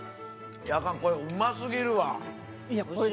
アカンこれうますぎるわ。